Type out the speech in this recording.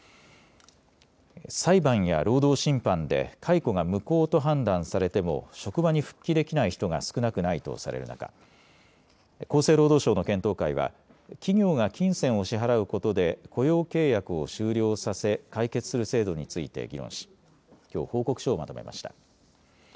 裁判や労働審判で解雇が無効と判断されても職場に復帰できない人が少なくないとされる中、厚生労働省の検討会は企業が金銭を支払うことで雇用契約を終了させ解決する制度について議論しきょう、報告書をまとめました。